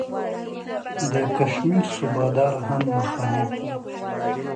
د کشمیر صوبه دار هم مخالف وو.